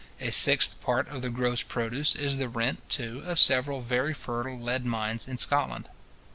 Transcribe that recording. A sixth part of the gross produce is the rent, too, of several very fertile lead mines in Scotland.